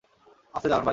আস্তে চালান ভাই?